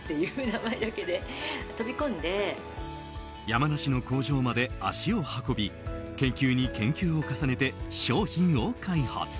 山梨の工場まで足を運び研究に研究を重ねて商品を開発。